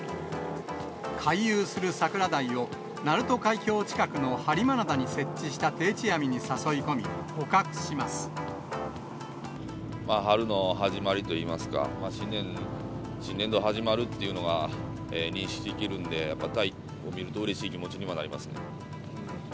回遊する桜鯛を鳴門海峡近くの播磨灘に設置した定置網に誘い込み、春の始まりといいますか、新年度始まるというのが、認識できるんで、やっぱ、鯛見ると、うれしい気持ちにもなりますね。